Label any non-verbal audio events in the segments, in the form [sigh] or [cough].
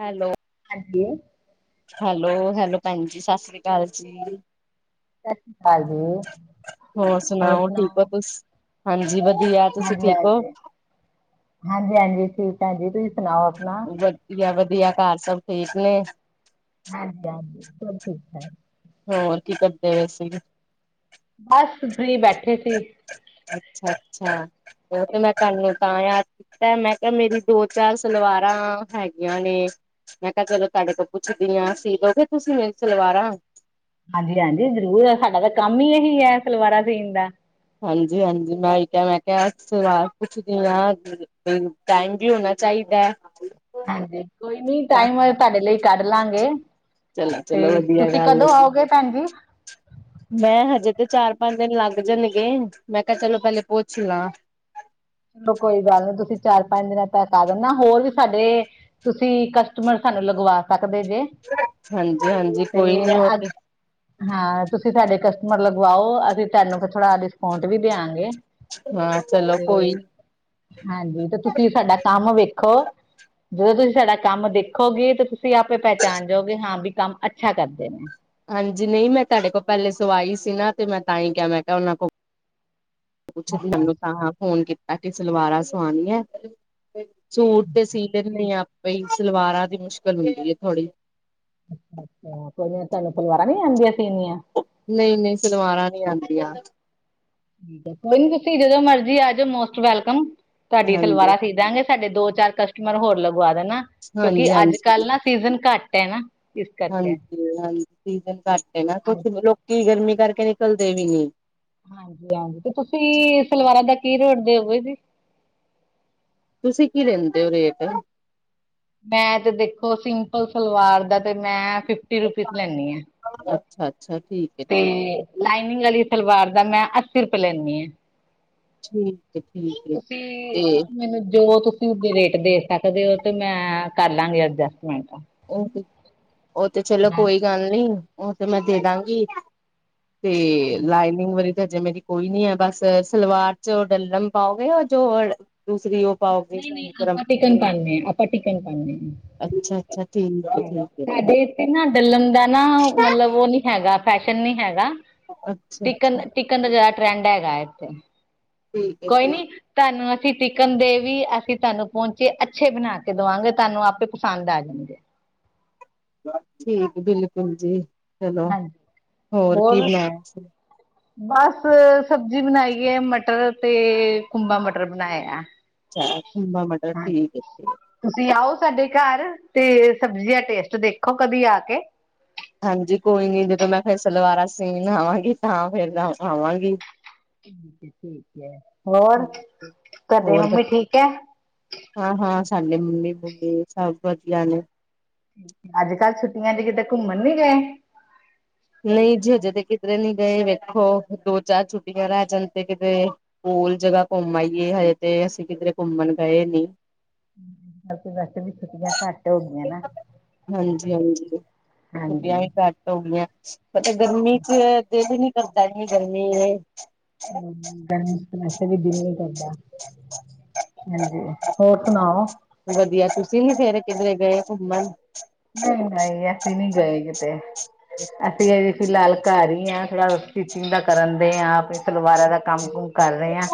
Hello ਹਾਂਜੀ hello hello ਭੈਣ ਜੀ ਸਤਿ ਸ੍ਰੀ ਅਕਾਲ ਜੀ ਸਤਿ ਸ਼੍ਰੀ ਅਕਾਲ ਜੀ ਹੋਰ ਸੁਣਾਓ ਠੀਕ ਹੋ ਤੁਸੀ ਹਾਂਜੀ ਵਧੀਆ ਤੁਸੀਂ ਠੀਕ ਹੋ ਹਾਂਜੀ ਹਾਂਜੀ ਠੀਕ ਹਾਂ ਜੀ ਤੁਸੀਂ ਸੁਣਾਓ ਆਪਣਾ ਵਧੀਆ ਵਧੀਆ ਘਰ ਸਭ ਠੀਕ ਨੇ ਹਾਂਜੀ ਹਾਂਜੀ ਸਭ ਠੀਕ ਠਾਕ ਹੋਰ ਕੀ ਕਰਦੇ ਪਏ ਸੀ ਬਸ ਫਰੀ ਬੈਠੇ ਸੀ ਅੱਛਾ, ਅੱਛਾ [unintelligible] ਥਾਨੂੰ ਤਾਂ ਯਾਦ ਕੀਤੈ, ਮੈਂ ਕੇਆ ਮੇਰੀ ਦੋ, ਚਾਰ ਸਲਵਾਰਾਂ ਹੈਗੀਆਂ ਨੇ। ਮੈਂ ਕੇਆ ਚਲੋ ਤੁਹਾਡੇ ਕੋਲ ਪੁੱਛਦੀ ਆਂ, ਸੀ ਦੋਗੇ ਤੁਸੀਂ ਮੇਰੀ ਸਲਵਾਰਾਂ? ਹਾਂਜੀ ਹਾਂਜੀ ਜ਼ਰੂਰ ਸਾਡਾ ਤਾਂ ਕੰਮ ਹੀ ਇਹੀ ਹੈ ਸਲਵਾਰਾਂ ਸੀਨ ਦਾ ਹਾਂਜੀ ਹਾਂਜੀ ਮੈਂ ਕਿਹਾ ਮੈਂ ਕਿਹਾ ਸਵਾਲ ਪੁੱਛਦੀ ਹਾਂ ਕੇ ਟਾਈਮ ਵੀ ਹੋਣਾ ਚਾਹੀਦਾ ਹੈ ਹਾਂਜੀ ਕੋਈ ਨੀ ਟਾਈਮ ਤੁਹਾਡੇ ਲਈ ਕੱਢ ਲਾਂਗੇ ਚਲੋ ਤੇ ਚਲੋ ਵਧੀਆ ਤੁਸੀਂ ਗੱਲ ਹੈ ਕਦੋਂ ਜੀ। ਆਓਗੇ ਭੈਣ ਜੀ ਮੈਂ ਹਜੇ ਤੇ ਚਾਰ ਪੰਜ ਦਿਨ ਲੱਗ ਜਾਣਗੇ ਮੈਂ ਕਿਹਾ ਚਲੋ ਪਹਿਲੇ ਪੁੱਛ ਲਾਂ ਚਲੋ ਕੋਈ ਗੱਲ ਨਹੀਂ ਤੁਸੀਂ ਚਾਰ ਪੰਜ ਦਿਨਾਂ ਤੱਕ ਆ ਦਨਾ ਹੋਰ ਵੀ ਸਾਡੇ ਤੁਸੀਂ ਕਸਟਮਰ ਸਾਨੂੰ ਲਗਵਾ ਸਕਦੇ ਜੇ ਹਾਂਜੀ ਹਾਂਜੀ ਕੋਈ ਨੀ ਉਹ ਤੇ ਹਾਂ, ਤੁਸੀ ਸਾਡੇ ਕਸਟਮਰ ਲਗਵਾਓ ਅਸੀਂ ਥੂਆਨੂੰ ਥੋੜਾ ਡਿਸਕਾਊਂਟ ਵੀ ਦੇਆਂਗੇ। ਹਾਂ, ਚਲੋ ਕੋਈ ਹਾਂਜੀ, ਤੇ ਤੁਸੀਂ ਸਾਡਾ ਕੰਮ ਵੇਖੋ ਜਦੋਂ ਤੁਸੀਂ ਸਾਡਾ ਕੰਮ ਦੇਖੋਗੇ, ਤਾਂ ਤੁਸੀਂ ਆਪੇ ਪੈਹਚਾਨ ਜਾਓਗੇ ਹਾਂ ਵੀ ਕੰਮ ਅੱਛਾ ਕਰਦੇ ਨੇ। ਹਾਂਜੀ, ਨਈ ਮੈਂ ਤੁਆਡੇ ਕੋਲ ਪੈਲੇ ਸਵਾਈ ਸੀ ਨਾ, ਤੇ ਮੈਂ ਤਾਂ ਈ ਕੇਆ ਮੈਂ ਕੇਆ ਓਨਾਂ ਕੋਲ ਪੁੱਛਦੀ ਆ ਮੈਂ ਤਾਂ,, ਫੋਨ ਕੀਤਾ ਕਿ ਸਲਵਾਰਾਂ ਸਵਾਨੀ ਐ। ਸੂਟ ਤੇ ਸੀ ਲੈਂਨੇ ਆ ਆਪੇ ਈ, ਸਲਵਾਰਾਂ ਦੀ ਮੁਸ਼ਕਲ ਹੁੰਦੀ ਏ ਥੋੜੀ। ਅੱਛਾ, ਅੱਛਾ [unintelligible] ਤਆਨੂੰ ਸਲਵਾਰਾਂ ਨੀ ਆਓਦੀਆਂ ਸੀਨੀਆਂ? ਨਈ ਨਈ ਸਲਵਾਰਾਂ ਨੀ ਆਓਂਦੀਆਂ। ਨਈ ਤੁਸੀਂ ਜਦੋਂ ਮਰਜੀ ਆਜੋ ਮੋਸਟ ਵੈਲਕਮ, ਤੁਆਡੀ ਆ ਹਾਂਜੀ ਸਲਵਾਰਾਂ ਸੀਦਾਂਗੇ। ਸਾਡੇ ਦੋ ਚਾਰ ਕਸਟਮਰ ਹੋਰ ਲਗਵਾ ਦੇਨਾ, ਕੇਓਕਿ ਹਾਂਜੀ ਹਾਂਜੀ ਆੱਜ-ਕਾੱਲ ਨਾ ਸੀਜ਼ਨ ਘਾੱਟ ਐ ਨਾ। ਇਸ ਕਰਕੇ ਹਾਂਜੀ, ਹਾਂਜੀ ਸੀਜ਼ਨ ਘੱਟ ਏ ਨਾ, ਹਾਂਜੀ ਕੁਛ ਲੋਕੀ ਗਰਮੀ ਕਰਕੇ ਨਿਕਲਦੇ ਵੀ ਨੀ। ਹਾਂਜੀ, ਹਾਂਜੀ ਤੇ ਤੁਸੀ, ਸਲਵਾਰਾਂ ਦਾ ਕੀ ਰੇਟ ਦੇਓਗੇ ਜੀ? ਤੁਸੀਂ ਕੀ ਲੇਂਦੇ ਓ ਰੇਟ? ਮੈਂ, ਤੇ ਦੇਖੋ ਸਿੰਪਲ ਸਲਵਾਰ ਦਾ ਤੇ ਮੈਂ, ਫਿਫਟੀ ਰੁਪੀਸ ਲੈਨੀ ਏ। ਅੱਛਾ, ਅੱਛਾ ਠੀਕ ਹੈ ਤੇ, ਠੀਕ ਲਾਈਨਿੰਗ ਵਾਲੀ ਸਲਵਾਰ ਦਾ ਮੈਂ ਅੱਸੀ ਰੁਪੈ ਲੈਂਨੀ ਏ। ਠੀਕ। [unintelligible] ਤੁਸੀ, ਤੇ ਮੈਨੂੰ ਜੋ ਤੁਸੀ ਰੇਟ ਦੇ ਸਾਕਦੇ ਓ ਤੇ ਮੈਂ, ਕਾਰ ਲਾਂਗੀ ਅਡਜਸਟਮੈਂਟ। ਓ ਤੇ ਚਲੋ ਕੋਈ ਗੱਲ ਨੀ, ਓ ਤੇ ਮੈਂ ਦੇ ਦਾਂਗੀ। ਤੇ, ਲਾਈਨਿੰਗ ਵਾਲੀ। ਜੇ ਮੇਰੀ ਕੋਈ ਨੀ ਐ ਬਸ, ਸਲਵਾਰ ਚ ਓ ਡੱਲਮ ਪਾਓਗੇ ਜੋ ਦੂਸਰੀ ਓ। ਨਈ, ਨਈ ਆਪਾਂ ਟਿਕਨ ਪਾਨੇ ਆਂ, ਆਪਾ ਟਿਕਨ ਪਾਨੇ ਆ। ਅੱਛਾ ਅੱਛਾ, ਠੀਕ। ਹੈ ਠੀਕ ਹੈ ਸਾਡੇ ਏਥੇ ਨਾ ਡੱਲਮ ਦਾ ਨਾ, ਮਲਬ ਓ ਨੀ ਹੈਗਾ ਫੈਸ਼ਨ ਨੀ ਹੈਗਾ। ਟਿਕਨ, ਅੱਛਾ-ਅੱਛਾ ਟਿਕਨ ਦਾ ਜਾਦਾ ਟਰੈਂਡ ਹੈਗੈ ਐਥੇ, ਠੀਕ ਹੈ ਕੋਈ ਠੀਕ ਨੀ। ਥਾਂਨੂੰ ਅਸੀਂ ਟਿਕਨ ਦੇ ਵੀ ਅਸੀਂ ਥਾਂਨੂੰ ਪੋਂਚੇ ਅੱਛੇ ਬਨਾ ਕੇ ਦਵਾਂਗੇ, ਥਾਂਨੂੰ ਆਪੇ ਪਸੰਦ ਆ ਜਾਨਗੇ। ਠੀਕ, ਬਿਲਕੁਲ ਜੀ। ਚਲੋ ਹਾਂਜੀ, ਕੀ ਹੋਰ? ਬਣਾਇਆ [inaudible] ਬਾਸ ਸਬਜੀ ਬਨਾਈ ਏ ਮਟਰ ਤੇ, ਕੂੰਬਾ ਮਟਰ ਬਨਾਏਆ। ਅੱਛਾ, ਕੂੰਬਾ ਮਟਰ ਠੀਕ ਏ। ਤੁਸੀਂ ਆਓ ਸਾਡੇ ਘਾਰ, ਤੇ ਸਬਜ਼ੀ ਦਾ ਟੇਸਟ ਦੇਖੋ ਕਦੀ ਆ ਕੇ। ਹਾਂਜੀ, ਕੋਈ ਨੀ ਜਦੋਂ ਮੈਂ ਫਿਰ ਸਲਵਾਰਾਂ ਸੀਨ ਆਵਾਂਗੀ, ਤਾਂ ਫੇਰ ਆਵਾਂਗੀ। ਹੋਰ ਹਾਂਜੀ ਤੁਹਡੀ ਹੋਰ ਬ ਮੰਮੀ ਠੀਕ ਹੈ? ਹਾਂ, ਹਾਂ ਸਾਡੇ ਮੰਮੀ ਬੂਮੇ ਸਭ ਵਧੀਆ ਨੇ, ਅੱਜ-ਕੱਲ ਛੁੱਟੀਆਂ ਚ ਕਿਤੇ ਘੁੰਮਣ ਵੀ ਗਏ? ਨਹੀਂ ਜੀ ਹਜੇ ਤੇ ਕਿਧਰੇ ਨੀ ਗਏ ਵੇਖੋ, ਦੋ ਚਾਰ ਛੁੱਟੀਆਂ ਰਹਿ ਜਾਂ ਤੇ ਕਿਤੇ, ਸਕੂਲ ਜਰਾ ਘੁੰਮ ਆਈਏ, ਹੋਰ ਤੇ ਅਸੀਂ ਕਿਦਰੇ ਘੁੰਮਨ ਗਏ ਨੀ। ਵੈਸੇ ਵੀ ਛੁੱਟੀਆਂ ਘਾੱਟ ਹੋ ਗੀਆਂ ਨਾ, ਹਾਂਜੀ ਹਾਂਜੀ। ਮਤਲਬ ਗਰਮੀ ਚ, ਦੇਲ ਈ ਨੀ ਕਰਦਾ ਏਨੀ ਗਰਮੀ ਏ। ਹੂੰ, ਗਰਮੀ ਚ ਵੈਸੇ ਵੀ ਦਿਲ ਨੀ ਕਰਦਾ। ਹਾਂਜੀ, ਹੋਰ ਸੁਣਾਓ? ਵਦੀਆ, ਤੁਸੀਂ ਨੀ ਫੇਰ ਕਿੱਦਰੇ ਗਏ ਘੁੰਮਣ? ਨਈ, ਨਈ ਅਸੀਂ ਨੀ ਗਏ ਕਿਤੇ। ਅਸੀਂ ਏਓ ਈ ਫੀਲਾਲ ਘਾਰ ਈ ਆਂ, ਥੋੜਾ ਸਿਟਿਚਿੰਗ ਦਾ ਕਰਨ ਦੇ ਆਂ ਆਪੇ। ਸਲਵਾਰਾਂ ਦਾ ਕੰਮ, ਕੁਮ ਕਰ ਰਏ ਆਂ,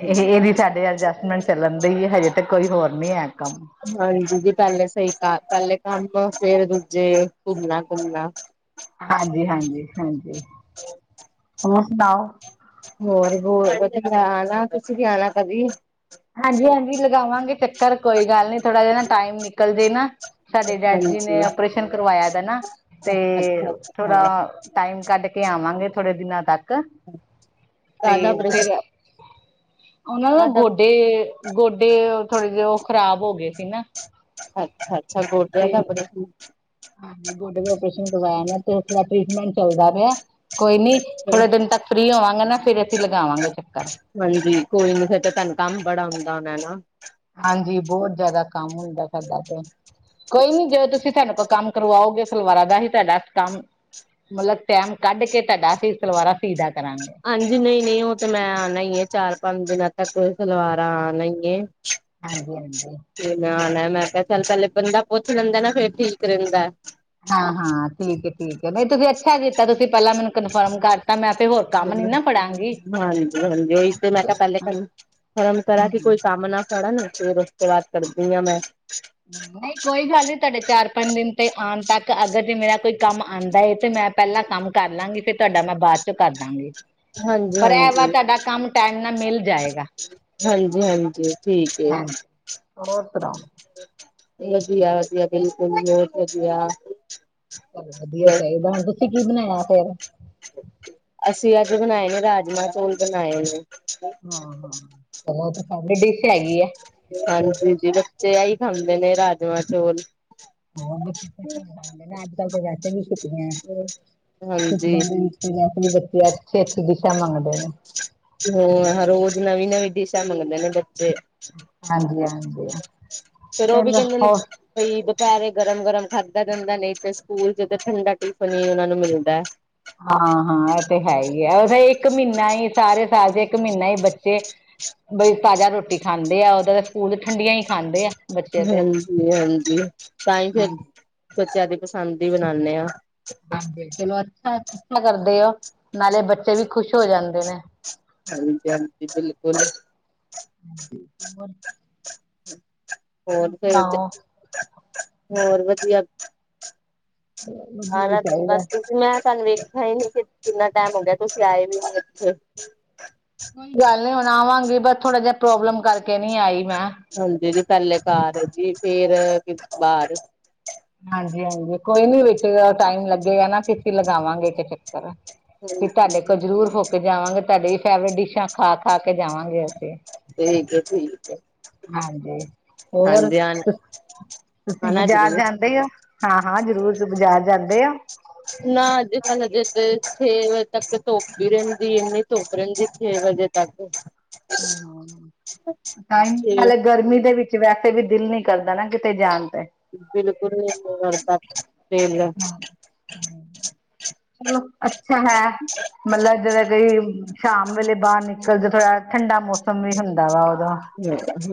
ਏਹ ਏਵੀ ਸਾਡੇ ਵ ਮੈਂ ਚੱਲਨ ਦੀ ਏ, ਹਜੇ ਤੇ ਕੋਈ ਹੋਰ ਨੀ ਹੈ ਕੰਮ। ਹਾਂਜੀ, [unintelligible] ਫੇਰ ਦੂਜੇ ਘੁੰਮਨਾ, ਘੁੰਮਨਾ। ਹਾਂਜੀ, ਹਾਂਜੀ, ਹਾਂਜੀ। [unintelligible] ਹੋਰ ਸੁਣਾਓ? ਹੋਰ ਬਹੁਤ ਮੈਂ ਆਣਾ ਤੁਸੀਂ ਵੀ ਆਣਾ ਕਦੀ। ਹਾਂਜੀ-ਹਾਂਜੀ ਲਗਾਵਾਂਗੇ, ਚੱਕਰ ਕੋਈ ਗੱਲ ਨਹੀਂ ਥੋੜਾ ਜਿਹਾ ਨਾ ਟਾਈਮ ਨਿਕਲਜੇ ਨਾ। ਸਾਡੇ ਡੈਡ ਜੀ ਹਾਂਜੀ ਨੇ ਔਓਪਰੇਸ਼ਨ ਕਰਵਾਇਆ ਦਾ ਨਾ ਤੇ ਅੱਛਾ ਥੋੜਾ, ਅੱਛਾ ਟਾਈਮ ਕੱਢ ਕੇ ਆਵਾਂਗੇ, ਥੋੜੇ ਦਿਨਾਂ ਤੱਕ ਤੇ ਕਾਦਾ ਆਪਰੇਸ਼ਨ ਫਿਰ, ਉਹਨਾਂ ਦਾ ਕਾਦਾ ਗੋਡੇ-ਗੋਡੇ ਥੋੜੇ ਜਿਹੇ ਉਹ ਖ਼ਰਾਬ ਹੋ ਗਏ ਸੀ ਨਾ, ਅੱਛਾ-ਅੱਛਾ ਗੋਡਿਆਂ ਤੇ ਦਾ ਆਪਣੇ, ਹਾਂਜੀ ਬੋਡੇ ਦਾ ਔਪਰੇਸ਼ਨ ਕਰਵਾਇਆ, ਮੈ ਤੇ ਉਸ ਦਾ ਟਰੀਟਮੈਂਟ ਚੱਲਦਾ ਪਿਆ। ਕੋਈ ਨੀ ਅੱਛਾ ਥੋੜੇ ਦਿਨ ਤੱਕ ਫ੍ਰਰੀ ਹੋਵਾਂਗੇ, ਨਾ ਫੇਰ ਅਸੀਂ ਲਗਾਵਾਂਗੇ ਚੱਕਰ ਹਾਂਜੀ, ਕੋਈ ਨੀ ਫੇਰ ਤਾਂ ਤੁਹਾਨੂੰ ਕੰਮ ਬੜਾ ਹੁੰਦਾ ਹੋਣਾ ਹਨਾ। ਹਾਂਜੀ, ਬਹੁਤ ਜ਼ਿਆਦਾ ਕੰਮ ਹੁੰਦਾ ਸਾਡ ਤੇ, ਕੋਈ ਨੀ ਜਦੋਂ ਤੁਸੀਂ ਤੁਾਨੂੰ ਕੋਲ ਕੰਮ ਕਰਵਾਓਗੇ, ਸਲਵਾਰਾਂ ਦਾ ਹੀ ਤੁਹਾਡਾ ਕੰਮ ਮਤਲਬ ਟੈਮ ਕੱਢ ਕੇ ਤੁਹਾਡਾ ਅਸੀਂ ਸਲਵਾਰਾਂ ਸੀਦਾ ਕਰਾਂਗੇ। ਹਾਂਜੀ, ਨਹੀਂ ਨਹੀਂ ਉਹ ਤੇ ਮੈਂ ਆਣਾ ਹੀ ਆ ਚਾਰ ਪੰਜ ਦਿਨਾਂ ਤੱਕ ਸਲਵਾਰ ਨਈ ਗੇ। ਹਾਂਜੀ ਹਾਂਜੀ ਆਣਾ ਮੈਂ ਕਿਹਾ ਚੱਲ ਪਲੇ ਬੰਦਾ ਪੁੱਛ ਲੈਂਦਾ ਨਾ, ਫੇਰ ਠੀਕ ਰਹਿੰਦਾ। ਹਾਂ ਹਾਂ ਠੀਕ ਹੈ ਠੀਕ ਹੈ, ਮੈ ਤੁਸੀਂ ਅੱਛਾ ਕੀਤਾ ਤੁਸੀਂ ਪਹਿਲਾਂ ਮੈਨੂੰ ਕਨਫਰਮ ਕਰ ਹੋਰ ਕੰਮ ਨੀ ਨਾ ਪੜਾ। ਹਾਂਜੀ, ਹਾਂਜੀ ਉਹੀ ਤੇ ਮੈਂ ਕਿਹਾ ਪਹਿਲੇ ਫਰਮ ਤਰ੍ਹਾਂ ਕੀ ਹਮ ਕੋਈ ਕੰਮ ਨਾ, ਕਰਨ ਫੇਰ ਉਸ ਤੋਂ ਬਾਅਦ ਕਰਦੀ ਹਾਂ ਮੈਂ, ਨਹੀਂ ਕੋਈ ਗੱਲ ਨੀ, ਤੁਹਾਡੇ ਚਾਰ ਪੰਜ ਦਿਨ ਤੇ ਆਣ ਤੱਕ ਅਗਰ ਜੇ ਮੇਰਾ ਕੋਈ ਕੰਮ ਆਉਂਦਾ ਏ ਤੇ ਮੈਂ, ਪਹਿਲਾਂ ਕੰਮ ਕਰ ਲਾਂਗੀ, ਫਿਰ ਤੁਹਾਡਾ ਮੈਂ ਬਾਅਦ ਚੋਂ ਕਰ ਦਾਂਗੀ। ਹਾਂਜੀ ਪਰ ਇਹ ਵਾ ਹਾਂਜੀ ਤੁਹਾਡਾ ਕੰਮ ਟਾਈਮ ਨਾਲ ਮਿਲ ਜਾਏਗਾ। ਹਾਂਜੀ ਹਾਂਜੀ ਠੀਕ ਏ, ਹਾਂਜੀ ਹੋਰ ਸੁਣਾਓ? ਵਧੀਆ-ਵਧੀਆ ਬਿਲਕੁਲ ਬਹੁਤ ਵਧੀਆ, ਚੱਲ ਵਧੀਆ ਚਾਹੀਦਾ, ਹੁਣ ਤੁਸੀਂ ਕੀ ਬਣਾਇਆ ਫੇਰ। ਅਸੀਂ ਅੱਜ ਬਣਾਏ ਨੇ ਰਾਜਮਾਂ ਚੌਲ ਬਣਾਏ ਨੇ, ਹਾਂ, ਹਾਂ, ਤਾਂ ਫੇਰ ਡਿਸ਼ ਹੈੈਗੀ ਈ ਆ। ਹਾਂਜੀ ਜੀ, ਬੱਚੇ ਆਹੀ ਖਾਂਦੇ ਨੇ ਰਾਜਮਾਂ ਚੋਲ, ਹੋ ਜਾਂਦੇ ਅੱਜ-ਕੱਲ ਤਾਂ ਵੈਸੇ ਵੀ ਹਾਂਜੀ ਛੁੱਟੀਆਂ-ਛੁੱਟੀਆਂ ਨੇ, ਵੀ ਬੱਚੇ ਅੱਛੀ-ਅੱਛੀ ਦਿਸ਼ਾ ਮੰਗਦੇ ਨੇ, ਹ ਰੋਜ਼ ਨਵੀਂ ਨਵੀਂ ਡਿਸ਼ਾਂ ਮੰਗਦੇ ਨੇ ਬੱਚੇ ਹਾਂਜੀ ਹਾਂਜੀ ਫਿਰ ਉਹ ਵੀ ਚਲੋ ਕਹਿੰਦੇ ਨੇ ਹੋਰ ਕਈ ਦੁਪਹਰੇ ਗਰਮ ਗਰਮ ਖਾਦਾ ਜਾਂਦਾ ਨਹੀਂ ਤੇ ਸਕੂਲ ਤੇ ਠੰਡਾ ਟਿਫਨ ਹੀ ਉਹਨਾ ਨੂੰ ਮਿਲਦਾ ਹਾਂ ਹਾਂ ਇਹ ਤੇ ਹੈ ਹੀ ਹੈ ਉਹਦਾ ਇੱਕ ਮਹੀਨਾ ਹੀ ਸਾਰੇ ਸਾਲ ਚ ਇੱਕ ਮਹੀਨਾ ਹੀ ਬੱਚੇ ਬੜ ਤਾਜ਼ਾ ਰੋਟੀ ਖਾਂਦੇ ਆ ਉਦਾਂ ਦਾ ਸਕੂਲ ਠੰਡੀਆਂ ਹੀ ਖਾਂਦੇ ਆ ਬੱਚੇ ਤੇ ਹਾਂਜੀ ਹਾਂਜੀ ਤਾਂ ਹੀ ਫੇਰ ਬੱਚਿਆਂ ਦੀ ਪਸੰਦ ਹੀ ਬਣਾਉਦੇ ਹਾਂ। ਹਾਂਜੀ ਚਲੋ ਅੱਛਾ, ਅੱਛਾ ਕਰਦੇ ਨਾਲੇ ਬੱਚੇ ਵੀ ਖੁਸ਼ ਹੋ ਜਾਂਦੇ ਨੇ, ਹਾਜੀ ਬਿਲਕੁਲ, ਹਾਂਜੀ ਹੋਰ, ਹੋਰ ਫਿਰ ਤੇ ਹੋਰ ਵਧੀਆ, ਵਧੀਆ ਹੀ [unintelligible] ਚਾਹੀਦਾ ਬਸ ਤੁਸੀ ਮੈਂ ਸਾਨ ਵੀ ਹੀ ਨਹੀਂ ਕਿ, ਕਿੰਨਾ ਟਾਈਮ ਹੋ ਗਿਆ ਤੁਸੀਂ ਆਏ ਵੀ ਇਥੇ, ਕੋਈ ਗੱਲ ਨੀ ਹੁਣ ਆਵਾਂਗੀ, ਬਸ ਥੋੜਾ ਜਿਹਾ ਪ੍ਰੋਬਲਮ ਕਰਕੇ ਨਹੀਂ ਆਈ ਮੈਂ, ਹਾਂਜੀ ਜੀ ਪਹਿਲੇ ਘਰ ਜੀ ਫੇਰ ਬਾਹਰ, ਹਾਂਜੀ-ਹਾਂਜੀ ਕੋਈ ਨੀ ਵਿੱਚ ਟਾਈਮ ਲੱਗੇਗਾ, ਨਾ ਅਸੀਂ ਲਗਾਵਾਂਗੇ ਤੇ ਚੱਕਰ। ਵੀ ਤੁਹਾਡੇ ਠੀਕ ਕੋਲ ਜ਼ਰੂਰ ਹੋ ਕੇ ਜਾਵਾਂਗੇ, ਤੁਹਾਡੇ ਵੀ ਫੇਵਰੇਟ ਡਿਸ਼ਾਂ ਖਾ-ਖਾ ਕੇ ਜਾਵਾਂਗੇ ਅਸੀਂ [unintelligible] ਹਾਂਜੀ ਹੋਰ ਹਾਂਜੀ ਆ ਤੁਸੀਂ ਆਣਾ ਬਾਜ਼ਾਰ ਜ਼ਰੂਰ ਜਾਂਦੇ ਓਂ ਹਾਂ ਹਾਂ ਜ਼ਰੂਰ ਬਾਜ਼ਾਰ ਜਾਂਦੇ ਆਂ ਨਾ ਅਜ ਕੱਲ ਹਜੇ ਛੇ ਵਜੇ ਤੱਕ ਧੁਪ ਈ ਰਹਿੰਦੀ ਏ ਇੰਨੀ ਧੁਪ ਰਹਿੰਦੀ ਛੇ ਵਜੇ ਤਕ [unintelligible] ਹਾਂ [unintelligible] ਟਾਈਮ ਛੇ ਨਾਲੇ ਗਰਮੀ ਦੇ ਵਿੱਚ ਵੈਸੇ ਵੀ ਦਿਲ ਨੀ ਕਰਦਾ ਨਾ ਕਿਤੇ ਜਾਣ ਤੇ ਬਿਲਕੁਲ ਵੀ ਨਈ ਕਰਦਾ ਦਿਲ ਚਲੋ ਅੱਛਾ ਹੈ ਮਤਲਬ ਜਦੋਂ ਕੋਈ ਸ਼ਾਮ ਵੇਲੇ ਬਾਹਰ ਨਿਕਲ ਜਾ ਥੋੜਾ ਠੰਡਾ ਮੌਸਮ ਵੀ ਹੁੰਦਾ ਵਾ ਉਦੋ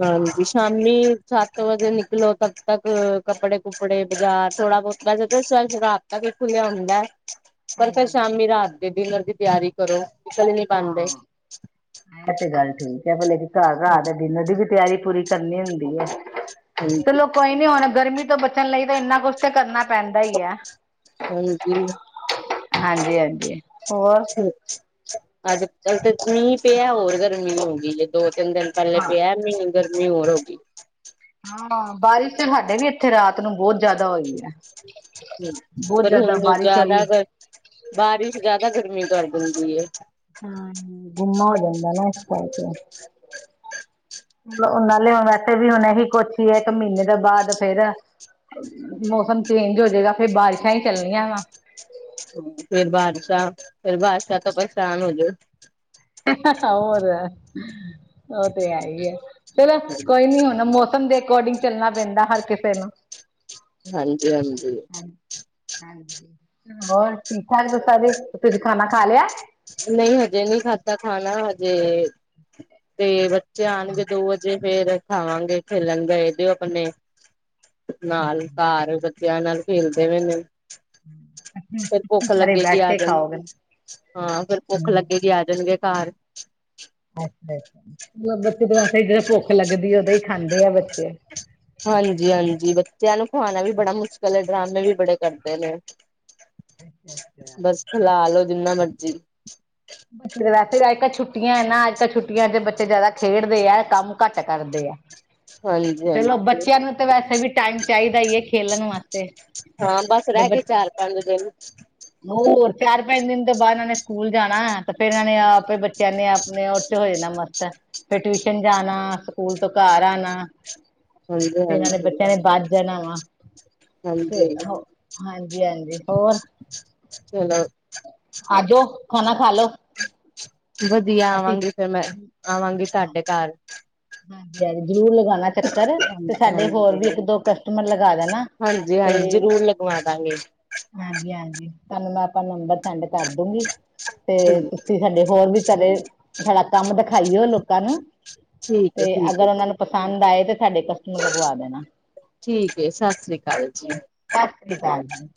ਹਾਂਜੀ ਸ਼ਾਮੀ ਸੱਤ ਵਜੇ ਨਿਕਲੋ ਤਬ ਤੱਕ ਕੱਪੜੇ ਕਪੜੇ ਬਾਜ਼ਾਰ ਥੋੜਾ ਬਹੁਤਾ ਜਦੋਂ [unintelligible] ਰਾਤ ਤੱਕ ਖੁੱਲਿਆ ਹੁੰਦਾ ਏ ਪਰ ਫਿਰ ਹਾਂਜੀ ਸ਼ਾਮੀ ਰਾਤ ਦੇ ਡਿਨਰ ਦੀ ਤਿਆਰੀ ਕਰੋ ਇਸ ਲਈ ਹਾਂ ਇਹ ਤੇ ਗੱਲ ਠੀਕ ਏ ਪਹਿਲੇ ਤੇ ਘਰ ਰਾਤ ਦੇ ਡਿਨਰ ਦੀ ਵੀ ਤਿਆਰੀ ਤੁਆਰੀ ਕਰਨੀ ਹੁੰਦੀ ਏ ਚਲੋ ਹਾਂਜੀ ਕੋਈ ਨੀ ਆਣਾ ਗਰਮੀ ਤੋਂ ਬੱਚ [unintelligible] ਲਈ ਤਾਂ ਇੰਨਾ ਕੁਛ ਤੇ ਕਰਨਾ ਪੈਂਦਾ ਈ ਐ ਹਾਂਜੀ ਹਾਂਜੀ ਹਾਂਜੀ ਹੋਰ ਅੱਜ ਕੱਲ ਮੀਂਹ ਪਿਆ ਹੋਰ ਗਰਮੀ ਹੋਗੀ ਏ ਦੋ ਤਿੰਨ ਦਿਨ ਪਹਿਲੇ ਹਾਂ ਪਿਆ ਗਰਮੀ ਹੋਰ ਹੋ ਗਈ ਹਾਂ ਬਾਰਿਸ਼ ਸਾਡੇ ਵੀ ਇੱਥੇ ਰਾਤ ਨੂੰ ਬਹੁਤ ਜਿਆਦਾ ਹੋਈ ਆ ਪਰ ਹੁਣ ਹੋਈ ਜਿਆਦਾ ਬਾਰਿਸ਼ ਜ਼ਿਆਦਾ ਗਰਮੀ ਕਰ ਦਿੰਦੀ ਏ ਹਾਂ ਗੁਮਾ ਹੋ ਜਾਂਦਾ ਨਾ ਇਸ ਕਰਕੇ ਲ ਉਹਨਾ ਲਿਆਉਣ ਵੈਸੇ ਵੀ ਹੁਣ ਅਸੀ ਕੁੱਛ ਹੀਏ ਇੱਕ ਮਹੀਨੇ ਦੇ ਬਾਅਦ ਫੇਰ ਮੌਸਮ ਚੇਂਜ ਹੋਜਾ ਏਗਾ ਫੇਰ ਬਾਰਿਸ਼ਾਂ ਹੀ ਚੱਲਣੀਆਂ ਵਾ ਫੇਰ ਬਰਸ਼ਾ ਫੇਰ ਬਾਰਸ਼ਾ ਤੋਂ ਪਰੇਸ਼ਾਨ ਹੋ ਜਾਓ ਹੋਰ ਉਹ ਤੇ ਹੈ ਈ ਐ ਚਲੋ ਕੋਈ ਨੀ ਹੁਣ ਉਹਂਦੇ ਅਕੋਰਡਿੰਗ ਚੱਲਣਾ ਪੈਂਦਾ ਹਰ ਕਿਸੇ ਨੂੰ, ਹਾਂਜੀ ਹਾਂਜੀ! ਹਾਂ ਹੋਰ ਠੀਕ ਠਾਕ ਜੀ ਸਾਰੇ ਤੁਸੀ ਖਾਣਾ ਖਾ ਲਿਆ? ਨਹੀਂ ਹਜੇ ਨਹੀਂ ਖਾਧਾ ਖਾਣਾ ਹਜੇ, ! ਤੇ ਬੱਚੇ ਆਉਣਗੇ ਦੋ ਵਜੇ ਫੇਰ ਖਾਵਾਂਗੇ ਖੇਲਣ ਗਏ ਇਹ ਦਿਓ ਆਪਣੇ, ! ਨਾਲ ਘਰ ਬੱਚਿਆਂ ਨਾਲ ਖੇਲਦੇ ਵੇ ਨੇ, ! ਫਿਰ ਭੁੱਖ ਸਾਰੇ ਲੱਗੇਗੀ ਬੈਠ ਆ ਕੇ ਜਾਣ,, ਖਾਓਗੇ ਹਾਂ ਫੇਰ ਭੁੱਖ ਹਮ ਲੱਗੇਗੀ ਆ ਜਾਨਗੇ ਘਰ ਅੱਛਾ ਅੱਛਾ ਮਤਲਬ ਬੱਚੇ ਵੈਸੇ ਜਦੋਂ ਭੁੱਖ ਲੱਗਦੀ ਓਦੋਂ ਹੀ ਖਾਂਦੇ ਆ ਬੱਚੇ ਹਾਂਜੀ ਹਾਂਜੀ ਬੱਚਿਆਂ ਨੂੰ ਖੁਵਾਣਾ ਵੀ ਬੜਾ ਮੁਸ਼ਕਿਲ ਏ ਡਰਾਮੇ ਵੀ ਬੜੇ ਕਰਦੇ ਨੇ [inaudible] ਅੱਛਾ ਅੱਛਾ,,,,, ਹਿਲਾ ਲਓ ਜਿੰਨਾ ਮਰਜ਼ੀ,,, ਬੇ ਵੈਸੇ ਅੱਜ ਕੱਲ ਛੁੱਟੀਆਂ ਹੈ ਨਾ ਅੱਜ ਕੱਲ ਛੁੱਟੀਆਂ ਚ ਬੱਚੇ ਜ਼ਿਆਦਾ ਖੇਡਦੇ ਆ ਕੰਮ ਘੱਟ ਕਰਦੇ ਆ ਹਾਂਜੀ ਚਲੋ ਹਾਂਜੀ ਬੱਚਿਆਂ ਨੂੰ ਤਾਂ ਵੈਸੇ ਵੀ ਟਾਈਮ ਚਾਹੀਦਾ ਈ ਏ ਹਾਂ ਬਸ ਰਹਿ ਬ ਗਏ ਚਾਰ ਪੰਜ ਦਿਨ ਹੋਰ ਚਾਰ ਪੰਜ ਦਿਨ ਤੋਂ ਬਾਅਦ ਇਹਨਾਂ ਨੇ ਸਕੂਲ ਜਾਣਾ ਤੇ ਫੇਰ ਇਹਨਾਂ ਨੇ ਆਪੇ ਬੱਚੇ ਕਹਿੰਦੇ ਆ ਆਪਣੇ ਉਹ ਚ ਹੋ ਜਾਣਾ ਮਸਤ ਫਿਰ ਟਿਊਸ਼ਨ ਜਾਣਾ ਸਕੂਲ ਤੋਂ ਘਰ ਆਣਾ ਹਾਂਜੀ ਤੇ ਇਹਨਾਂ ਨੇ ਹਾਂਜੀ ਬੱਚਿਆਂ ਨੇ [unintelligible] ਜਾਣਾ ਵਾਂ ਹਾਂਜੀ ਫਰ ਹਾਂਜੀ ਹਾਂਜੀ ਹੋਰ? ਚਲੋ,,,, ਆਜੋ ਖਾਨਾ ਖਾ ਲੋ ਵਧੀਆ ਆਵਾਂਗੀ ਫੇਰ ਮੈਂ ਆਵਾਂਗੀ ਤਹਾਡੇ ਘਰ ਹਾਂਜੀ ਹਾਂਜੀ ਜ਼ਰੂਰ ਲਗਾਨਾ ਚੱਕਰ ਹਾਂਜੀ ਤੇ ਸਾਡੇ ਹੋਰ ਵੀ ਹਾਂਜੀ ਇੱਕ ਦੋ ਕਸਟਮਰ ਲਗਾ ਦੇਨਾ ਹਾਂਜੀ ਹਾਂਜੀ ਜ਼ਰੂਰ ਲਗਵਾ ਦਾਂਗੇ ਹਾਂਜੀ ਹਾਂਜੀ ਤੁਹਾਨੂੰ ਮੈਂ ਆਪਾਂ ਨੰਬਰ ਸੈਂਡ ਕਰ ਦੂਂਗੀ ਤੇ ਠੀਕ ਤੁਸੀ ਸਾਡੇ ਹੋਰ ਵੀ ਤਰੇ ਸਾਡਾ ਕੰਮ ਦਿਖਾਈਓ ਲੋਕਾਂ ਨੂੰ ਠੀਕ ਤੇ ਹੈ ਠੀਕ ਹੈ ਅਗਰ ਓਹਨਾ ਨੂੰ ਪਸੰਦ ਆਏ ਤੇ ਸਾਡੇ ਕਰ ਲਗਵਾ ਦੇਨਾ ਠੀਕ ਹੈ ਸਤਿ ਸ੍ਰੀ ਅਕਾਲ ਜੀ ਸਤਿ ਸ੍ਰੀ ਕਾਲ ਜੀ।